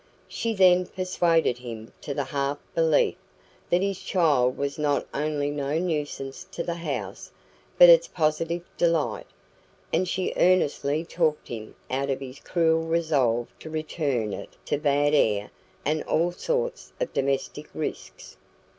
She then persuaded him to the half belief that his child was not only no nuisance to the house, but its positive delight; and she earnestly talked him out of his cruel resolve to return it to bad air and all sorts of domestic risks.